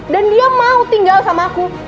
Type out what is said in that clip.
dan dia mau tinggal sama aku